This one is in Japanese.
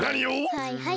はいはい。